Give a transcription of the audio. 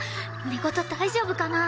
寝言大丈夫かな？